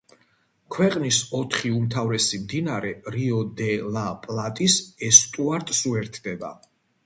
ქვეყნის ოთხი უმთავრესი მდინარე რიო-დე-ლა-პლატის ესტუარს უერთდება.